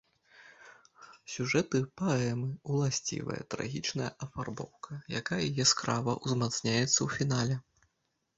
Сюжэту паэмы ўласцівая трагічная афарбоўка, якая яскрава ўзмацняецца ў фінале.